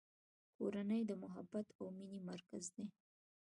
کورنۍ د محبت او مینې مرکز دی.